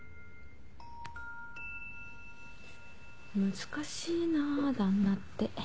難しいな旦那って。